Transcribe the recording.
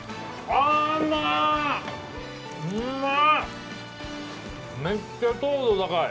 うまい！